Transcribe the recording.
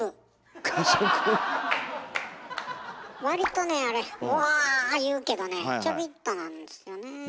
割とねあれ「おわ！」言うけどねちょびっとなんですよね。